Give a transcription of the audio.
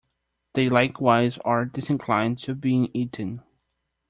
They likewise are disinclined to being eaten.